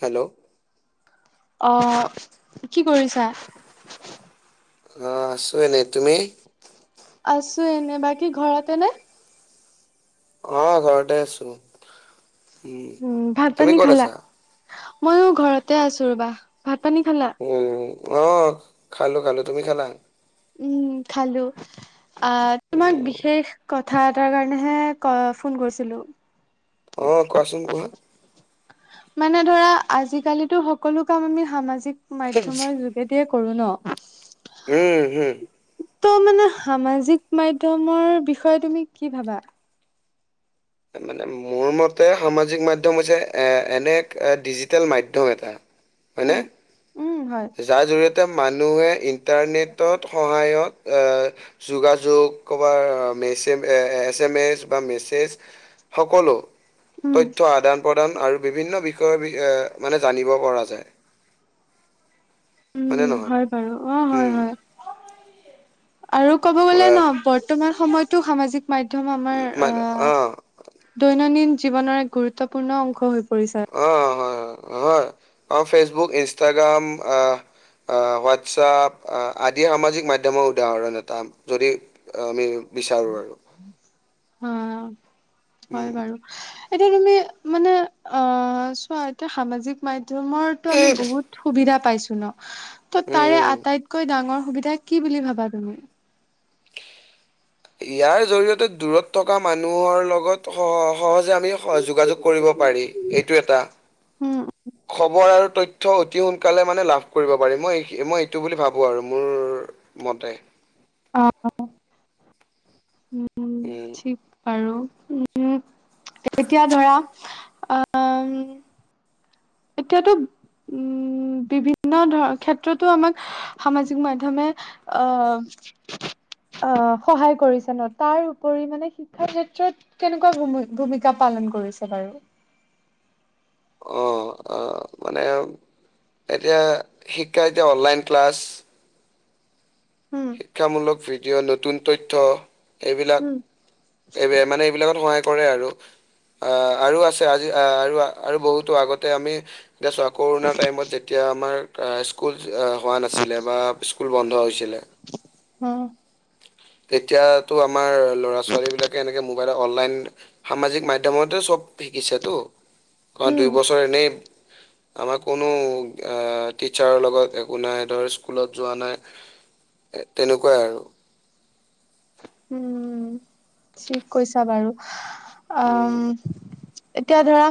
Hello, অ' কি কৰিছা? অ' আছোঁ এনে তুমি? আছো এনে, বাকী ঘৰতে নে? অ' ঘৰতে আছো। উম ভাত তুমি পানী ক'ত খালা? আছা ময়ো ঘৰতে আছোঁ ৰ'বা ভাত পানী খালা? উম অ' খালো- খালো তুমি খালা? উম খালো আহ তোমাক বিশেষ কথা এটাৰ কাৰণেহে কল ফোন কৰিছিলো। অ 'কোৱাচোন কোৱা মানে ধৰা আজিকালিতো সকলো কাম আমি সামাজিক মাধ্যমৰ জৰিয়তে যোগে দিয়েই কৰোঁ ন উম, হম। ত' মানে সামাজিক মাধ্যমৰ বিষয়ে তুমি কি ভাবা? মানে মোৰ মতে সামাজিক মাধ্যম হৈছে এনে এক ডিজিটেল মাধ্যম এটা হয়নে উম -উম হয়। যাৰ জৰিয়তে মানুহে ইণ্টাৰনেটৰ সহায়ত যোগাযোগ ক'ৰবাত মেছে এছ এম এছ বা মেছেজ সকলো উম, তথ্য আদান প্ৰদান আৰু বিভিন্ন বিষয় এ মানে জানিব পৰা যায়। হয়নে উম নহয় হয় বাৰু অ' হয় উম - হয়। আৰু কব গ'লে আহ, ন বৰ্তমান সময়তো সামাজিক মাধ্যম আমাৰ মানে আহ। অ দৈনন্দিন জীৱনৰ এক গুৰুত্বপূৰ্ণ অংশ হৈ পৰিছে। অ' হয় -হয় -হয় অ' ফেচবুক ইনষ্টাগ্ৰাম আহ আহ হোৱাটছআপ আদি সামাজিক মাধ্যমৰ উদাহৰণ এটা যদি। আমি বিচাৰোঁ আৰু অ' উম হয় বাৰু। এতিয়া তুমি মানে আহ চোৱা এতিয়া সামাজিক মাধ্যমৰ- টো আমি বহুত সুবিধা পাইছো ন, ত' তাৰে উম। আটাইত- কৈ ডাঙৰ সুবিধা কি বুলি ভাবা তুমি? ইয়াৰ জৰিয়তে দূৰত থকা মানুহৰ লগত সহ সহজে আমি স যোগাযোগ কৰিব পাৰি। এইটো এটা উম খবৰ আৰু তথ- তথ্য অতি সোনকালে মানে লাভ কৰিব পাৰি। মই মই এইটো বুলি ভাবো আৰু মোৰ মতে। অঁ অঁ উম উম' ঠিক। আৰু উম এতিয়া ধৰা আঁ- এতিয়াতো উম বিভিন্ন ধৰ ক্ষেত্ৰতো আমাক সামাজিক মাধ্যমে- অ অ সহায় কৰিছে ন তাৰ উপৰি মানে- শিক্ষাৰ ক্ষেত্ৰত কেনেকুৱা ভূমি ভূমিকা পালন কৰিছে বাৰু? অঁ অঁ মানে এতিয়া শিক্ষা এতিয়া অনলাইন ক্লাছ- উম' শিক্ষামূলক ভিডিঅ' নতুন তথ্য- এইবিলাক উম এই মানে এইবিলাকত সহায় কৰে আৰু। আহ আৰু আছে আজি আহ আৰু আৰু বহুতো আগতে আমি- এতিয়া চোৱা কৰোণাৰ টাইমত যেতিয়া আমাৰ অঁ স্কুল হোৱা নাছিলে বা- স্কুল বন্ধ হৈছিলে। হঁ। তেতিয়াতো আমাৰ ল'ৰা ছোৱালী বিলাকে এনেকে মোবাইলত অনলাইন- সামাজিক মাধ্যমতে চব শিকিছেতো, কাৰণ উম দুইবছৰ এনেই- আমাৰ কোনো অঁ টিচাৰৰ লগত একো নাই ধৰ স্কুলত যোৱা নাই। এ তেনেকুৱাই আৰু। উম' ঠিক কৈছা বাৰু। উম অঁম- এতিয়া ধৰা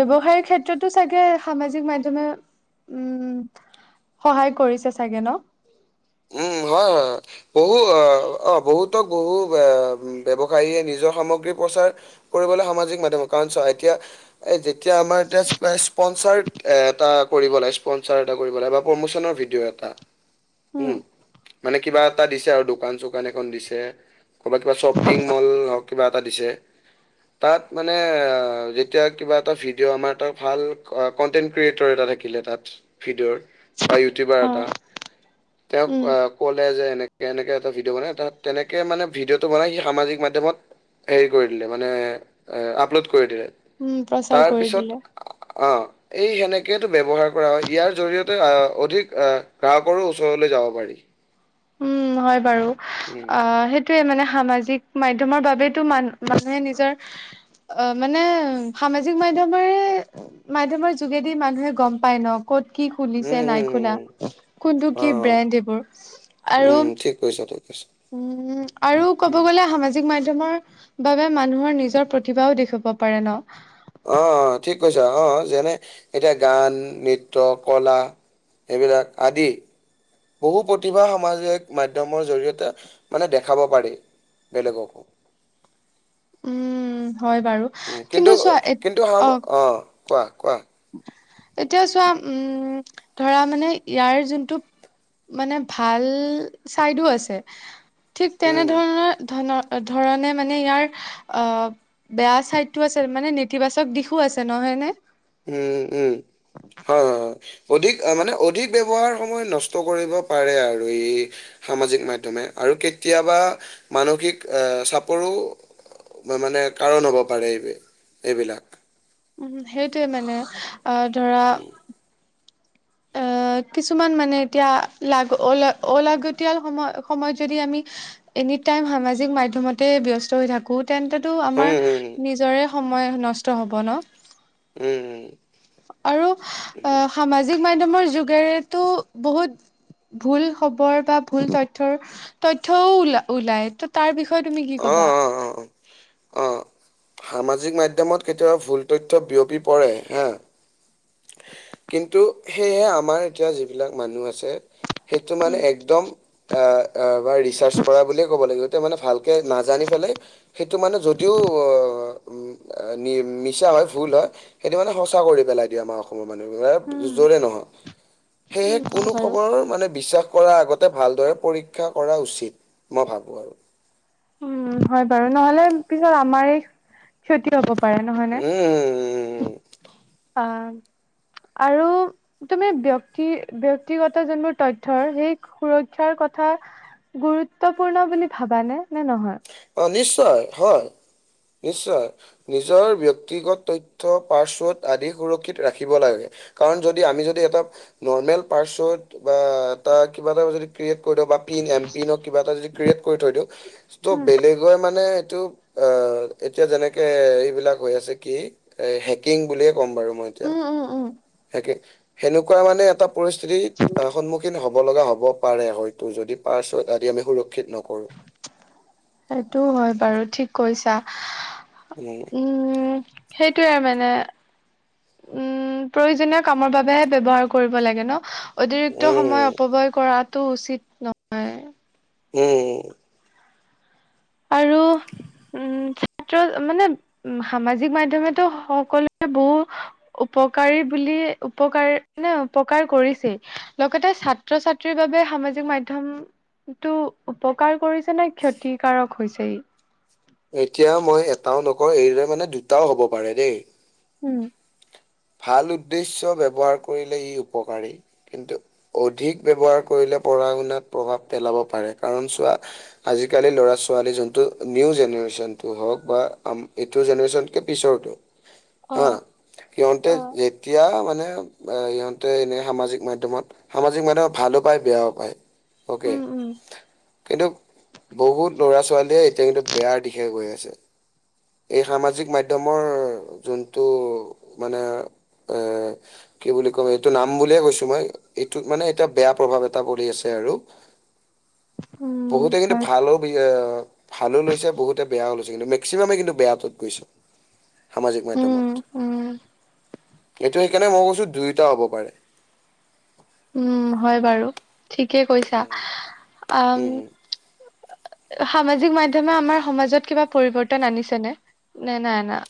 ব্যৱসায়ৰ ক্ষেত্ৰতো চাগে সামাজিক মাধ্যমে- উম' সহায় কৰিছে চাগে ন? উম' হয় হয়। বহু আহ অ বহুতক বহু ব্যৱসায়ীয়ে নিজৰ সামগ্ৰী প্ৰচাৰ- কৰিবলে সামাজিক মাধ্যমৰ কাৰণ চোৱা এতিয়া- এই যেতিয়া আমাৰ এতিয়া স্পনচাৰ এটা কৰিব লাগে স্পনচাৰ এটা কৰিব লাগে বা প্ৰমোচনৰ ভি- দিও এটা- উম' মানে কিবা এটা দিছে আৰু দোকান চোকান এখন দিছে। ক'ৰবাত কিবা শ্বপিং মল হওক কিবা এটা দিছে। তাত মানে যেতিয়া কিবা এটা ভিডিঅ' আমাৰ তাৰ ভাল অক- কণ্টেণ্ট ক্ৰিয়েটৰ এটা থাকিলে তাত ভিডঅ'ৰ বা ইউটিউবাৰ এটা- তেওঁক উম অ ক'লে যে এনেকে এনেকে এটা ভিডিঅ' বনাই এ তেনেকে মানে ভিডিঅ'টো বনাই সি সামাজিক মাধ্যমত- হেৰি কৰি দিলে মানে আপলোড কৰি দিলে। উম প্ৰচাৰ কৰি দিলে তাৰপিছত- অঁ' এই সেনেকেটো ব্যৱহাৰ কৰা হয়। ইয়াৰ জৰিয়তে আহ অধিক আহ গ্ৰাহকৰো- ওচৰলৈ যাব পাৰি। উম হয় বাৰু। উম অঁহ সেইট- টোয়ে মানে সামাজিক মাধ্যমৰ বাবেইতো মান মানুহে নিজৰ- অ' মানে সামাজিক মাধ্যমৰে- মাধ্যমৰ যোগেদি মানুহে গ'ম পায় ন'। ক'ত কি উম, খুলিছে উম, নাই খোলা উম, কোনটো কি অ', ব্ৰেণ্ড এইবোৰ? উম, আৰু- ঠিক কৈছ ত‌ই ঠিক কৈছ। উম, আৰু ক'ব গ'লে - এ সামাজিক মাধ্যমৰ বাবে মানুহৰ নিজৰ প্ৰতিভাও দেখুৱাব পাৰে ন। অ', ঠিক কৈছা অ অ যেনে, এতিয়া গান, নৃত্য, কলা। এইবিলাক আদি। বহু প্ৰতিভা সামাজিক মাধ্যমৰ জৰিয়তে মানে দেখাব পাৰি। বেলেগকো। উম, হয়, বাৰু। উম, কিন্তু কিন্তু সাম অ', কোৱা কোৱা। এতিয়া চোৱা উম, ধৰা মানে ইয়াৰ যোনটো - মানে ভাল চাইডো আছে, ঠিক তেনে উম, ধৰণৰ ধৰণ ধৰণে মানে ইয়াৰ আ - বেয়া চাইডটো আছে মানে, নেতিবাচক দিশো আছে নহয় নে? উম, উম। হয় হয় হয়, অধিক মানে অধিক ব্যৱহাৰ সময় নষ্ট কৰিব পাৰে আৰু ই - সামাজিক মাধ্যমে আৰু কেতিয়াবা মানসিক আহ চাপৰো - মা মানে কাৰণ হ'ব পাৰে এইবি এইবিলাক। উম হু, সেইটোৱে মানে আহ ধৰা - কিছুমান মানে এতিয়া লাগ অল-অলাগতিয়াল সময় সময়ত যদি আমি - এনিটাইম সামাজিক মাধ্যমতে ব্যস্ত হৈ থাকো। তেন্ততো উম, আমাৰ উম, নিজৰে সময় নষ্ট হ'ব ন'? উম, উম। আৰু সামাজিক মাধ্যমৰ যুগেৰেতো বহুত - ভুল খবৰ বা ভুল তথ্যৰ তথ্যও ওল-ওলায় ত - তাৰ বিষয়ে তুমি কি অ', ক'বা? অ', অ', অ', সামাজিক মাধ্যমত কেতিয়াবা ভুল তথ্য বিয়পি পৰে হা। কিন্তু, সেয়েহে আমাৰ এতিয়া যিবিলাক মানুহ আছে। সেইটো মানে উম। একদম আ আ বা ৰিচাৰ্চ কৰা বুলিয়ে ক'ব লাগিব। সেইটো মানে ভালকে নাজানি পেলাই সেইটো মানে যদিও উম নি মিছা হয়, ভুল হয়, সেইটো মানে সঁচা কৰি পেলাই দিয়ে আমাৰ অ সমৰ মানুহ বোৰে, উম যৰে নহওঁক। সেয়েহে উম, হয় কোনো বাৰু খবৰ মানে বিশ্বাস কৰাৰ আগত তে ভালদৰে পৰীক্ষা কৰা উচিত, মই ভাবো আৰু। উম, হয় বাৰু নহ'লে পিছত আমাৰেই ক্ষতি হ'ব পাৰে নহয় নে? উম উম উম উম আহ আৰু - তুমি ব্যক্তি ব্যক্তিগত যোনবোৰ তথ্যৰ সেই সুৰক্ষাৰ কথা - গুৰুত্বপূৰ্ণ বুলি ভাবানে নে নহয়? অ', নিশ্চয় হয়, নিশ্চয়। নিজৰ ব্যক্তিগত তথ্য পাচৱাৰ্ড আদি সুৰক্ষিত ৰাখিব লাগে। কাৰণ যদি আমি যদি এটা নৰ্মেল পাচৱাৰ্ড বা এটা কিবা এটা যদি - ক্ৰীয়েত কৰি থবা, পিন এম পিনত কিবা এটা যদি ক্ৰিয়েট কৰি থৈ দিওঁ, ত' উম বেলেগে মানে - এইটো অ', এতিয়া যেনেকে এইবিলাক হৈ আছে কি - এ হেকিং বুলিয়ে ক'ম বাৰু মই এতিয়া। উম উম উম। হেকি, সেনেকুৱা মানে এটা পৰিস্থিতি সন্মুখীন হ'ব লগা হ'ব - পাৰে হয়তো যদি পাচৱাৰ্ড আদি আমি সুৰক্ষিত নকৰোঁ। সেইটোও হয় বাৰু ঠিক কৈছা। উম উম সেইটোয়ে মানে উম প্ৰয়োজনীয় কামৰ বাবেহে ব্যৱহাৰ কৰিব লাগে ন। অতিৰিক্ত সময় উম, অপব্যয় কৰাটো উচিত নহয় উম আৰু উম ছাত্ৰ মানে সামাজিক মাধ্যমে ত সকলোবোৰ উপকাৰী বুলি উপকাৰ নে অপকাৰ কৰিছেই। লগতে ছাত্ৰ ছাত্ৰীৰ বাবে সামাজিক মাধ্যম এটো উপকাৰ কৰিছে নে ক্ষতিকাৰক হৈছে ই এতিয়া মই এটাও নকওঁ এইদৰে মানে দুটাও হ'ব পাৰে দেই। উম। ভাল উদ্দেশ্য ব্যৱহাৰ কৰিলে ই উপকাৰী। কিন্তু অধিক ব্যৱহাৰ কৰিলে পঢ়া শুনাত প্ৰভাৱ পেলাব পাৰে কাৰণ চোৱা আজিকালি ল'ৰা ছোৱালী যোনটো নিউ জেনেৰেশ্যনটো হওক বা আম এইটো জেনেৰেশ্যনকে পিছৰটো [inaudible] হা সিহতে অ যেতিয়া মানে সিহঁতে এনে সামাজিক মাধ্যমত সামাজিক মাধ্যমত ভালো পায় বেয়াও পায় অকে। উম উম কিন্তু বহুত ল'ৰা ছোৱালীয়ে এতিয়া কিন্তু বেয়াৰ দিশে গৈ আছে। এই সামাজিক মাধ্যমৰ যোনটো মানে এ কি বুলি ক'ম এইটো নাম বুলিয়ে কৈছোঁ মই এইটোত মানে এতিয়া বেয়া প্ৰভাৱ এটা পৰি আছে আৰু উম বহুতে কিন্তু হয় ভালো বি অ ভালো লৈছে বহুতে বেয়াও লৈছে কিন্তু মেক মেক্সিমামে কিন্তু বেয়াটোত গৈছ সামাজিক উম মাধ্যমত। উম এইটো সেইকাৰণে মই কৈছো দুয়োটা হ'ব পাৰে। উম হয় বাৰু ঠিকেই কৈছা উম আম হুম, হুম। সামাজিক মাধ্যমে আমাৰ সমাজত কিবা পৰিৱৰ্তন আনিছেনে নে নাই অনা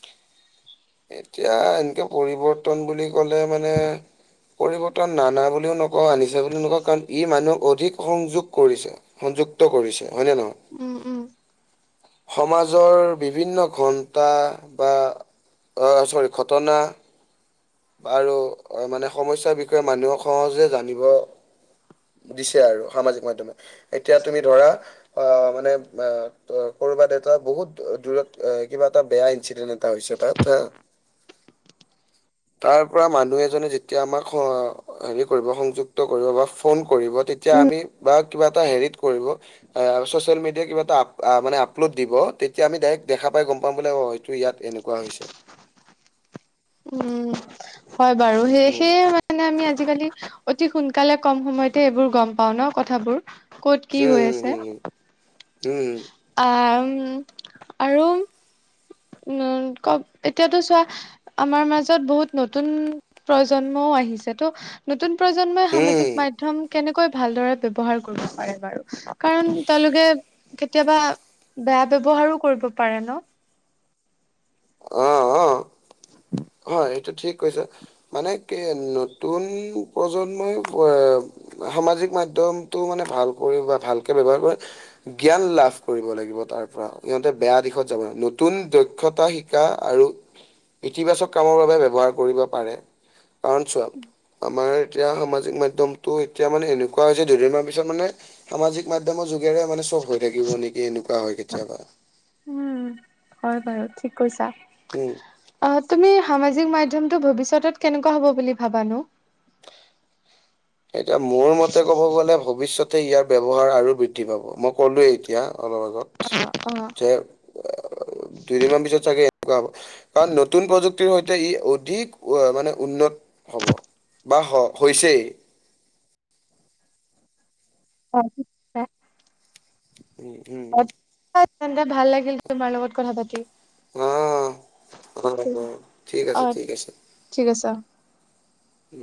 এতিয়া এনেকে পৰিৱৰ্তন বুলি ক'লে মানে পৰিৱৰ্তন নানা বুলিও নকওঁ আনিছে বুলিও নকওঁ কাৰণ ই মানুহক অধিক সংযোগ কৰিছে। সংযুক্ত কৰিছে হয় নে নহয়। উম উম। সমাজৰ বিভিন্ন ঘণ্টা বা অ চৰি ঘটনা আৰু মানে সমস্যাৰ বিষয়ে মানুহক সহজে জানিব দিছে আৰু সামাজিক মাধ্যমে এতিয়া তুমি ধৰা অ মানে অ ত কৰবাত এটা বহুত দূৰত কিবা এটা বেয়া ইনচিডেন্ট তা হৈছে তাত হা তাৰ পৰা মানুহ এজনে যেতিয়া আমাক হ হেৰি কৰিব সংযুক্ত কৰিব বা ফ ফ'ন কৰিব তেতিয়া আমি বা কি বা এটা হেৰিত কৰিব আ ছচিয়েল মিডিয়া কিবা এটা অপ আ মানে আপলোড দিব তেতিয়া আমি ডাইৰেক্ট দেখা পাই গম পাম বোলে অ এটো ইয়াত এনেক কোৱা হৈছে। উম হয় বাৰু সেই উম সেয়ে মান মানে আমি আজিকালি অতি সোনকালে কম সময়তে এইবোৰ গম পাও ন কথাবোৰ। ক'ত কি হৈ উম উম উম উম। আআম আৰু উম কক এতিয়াতো চোৱা আমাৰ মাজত বহুত নতুন প্ৰজন্মও আহিছে ত'। নতুন প্ৰজন্মই সামাজিক উম মাধ্যম। কেনেকৈ ভালদৰে ব্যৱহাৰ কৰিব পাৰে বাৰু, কাৰণ তেওঁলোকে কেতিয়াবা বেয়া ব্যৱহাৰো কৰিব পাৰে ন। অ', অ'। [unintelligible] হয়, এইটো ঠিক কৈছ, মানে কি নতুন প্ৰজন্মই অ সামাজিক মাধ্যমটো মানে ভালকৈ বা ভালকে ব্যৱহাৰ কৰে। জ্ঞান লাভ কৰিব লাগিব, তাৰ পৰা সিহঁতে বেয়া দিশত যাব নালাগে নতুন দক্ষতা শি কা আৰু ইতিবাচক। কামৰ বাবে ব্যৱহাৰ কৰিব পাৰে, কাৰণ চোৱা আমাৰ এতিয়া সামাজিক মাধ্যমটো এতিয়া মানে এনেকুৱা হৈছে, দুদিনমান পিছত মানে সামাজিক মাধ্যমৰ যোগেৰে মানে চ'ব হৈ থাকিব নেকি, এনেকুৱা হয় কেতিয়াবা। উম, হয় বাৰু ঠিক কৈছা। উম। অ', তুমি সামাজিক মাধ্যমটো ভৱিষ্যতত কেনেকুৱা হ'ব বুলি ভাবানো? এতিয়া মোৰ মতে ক'ব গ'লে ভৱিষ্যতে ইয়াৰ ব্যৱহাৰ আৰু বৃদ্ধি পাব, মই ক'লোৱেই এতিয়া, অলপ আগত। যে আ, দুইদিনমান পিছত চাগে। হ'ব, কাৰণ নতুন প্ৰযুক্তিৰ সৈতে ই অধিক মানে উন্নত হ'ব। বা হ-হৈছেই। [inaudible] উম, উম। তেন্তে, ভাল লাগিল তোমাৰ লগত কথা পাতি। অ, [unintelligible] ঠিক অ আছে, ঠিক আছে। ঠিক আছে অ। উম